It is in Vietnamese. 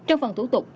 trong phần thủ tục